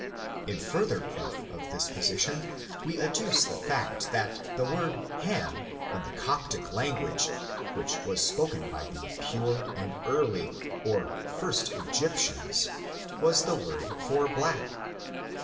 In further proof of this position, we adduce the FORTUNES, OF THE NEGRO RACE. 37 fact that the word flam, in the 'Coptic language, which was spoken by the pure and early, or first Egyptians, was the word for black.